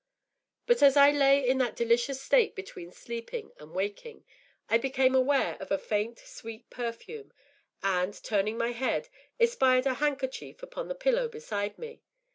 But as I lay in that delicious state between sleeping and waking, I became aware of a faint, sweet perfume; and, turning my head, espied a handkerchief upon the pillow beside me.